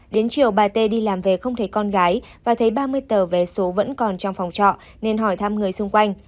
đến chiều bà tê đi làm về không thấy con gái và thấy ba mươi tờ vé số vẫn còn trong phòng trọ nên hỏi thăm người xung quanh